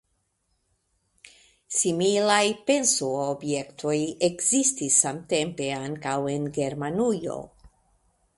Similaj pensoobjektoj ekzistis samtempe ankaŭ en Germanujo.